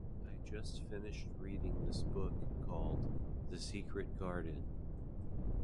I just finished reading this book called "The Secret Garden."